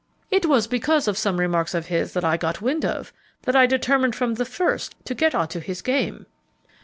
It was because of some remarks of his that I got wind of, that I determined from the first to get onto his game."